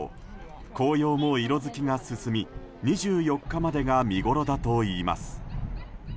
紅葉も色づきが進み２４日までが見ごろだといいます。